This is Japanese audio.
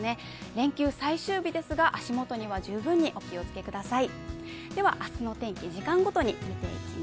連休最終日ですが足元には十分お気をつけください。